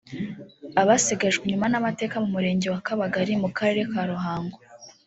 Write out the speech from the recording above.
Abasigajwe inyuma n’amateka mu Murenge wa Kabagali mu Karere ka Ruhango